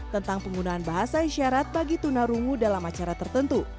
tentang penggunaan bahasa isyarat bagi tunarungu dalam acara tertentu